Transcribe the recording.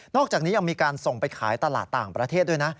อกจากนี้ยังมีการส่งไปขายตลาดต่างประเทศด้วยนะ